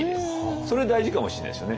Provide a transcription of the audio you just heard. それ大事かもしれないですよね。